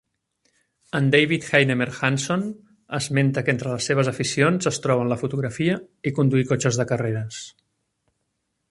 En David Heinemeier Hansson esmenta que entre les seves aficions es troben la fotografia i conduir cotxes de carreres.